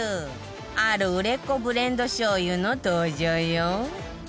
ある売れっ子ブレンドしょう油の登場よ